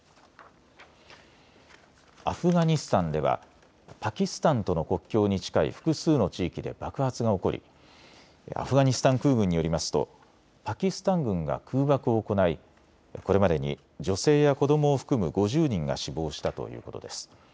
アフガニスタンではパキスタンとの国境に近い複数の地域で爆発が起こりアフガニスタン空軍によりますとパキスタン軍が空爆を行いこれまでに女性や子どもを含む５０人が死亡したということです。